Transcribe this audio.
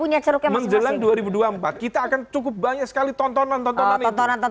jadi kira kira menjelang dua ribu dua puluh empat kita akan cukup banyak sekali tontonan tontonan ini